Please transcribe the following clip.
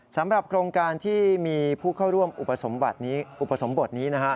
สำหรับโครงการที่มีผู้เข้าร่วมอุปสมบทนี้นะฮะ